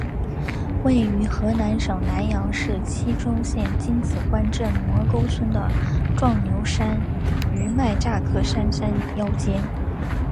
位于河南省南阳市淅川县荆紫关镇磨沟村的伏牛山余脉乍客山山腰间。